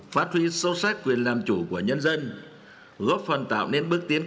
phát huy sâu sắc quyền làm chủ của nhân dân góp phần tạo nên bước tiến